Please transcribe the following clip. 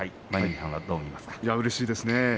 うれしいですね。